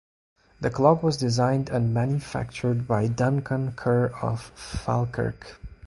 The clock was designed and manufactured by Duncan Kerr of Falkirk.